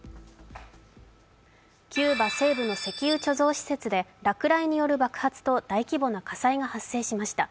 キューバ政府の石油貯蔵施設で落雷による爆発と大規模な火災が発生しました。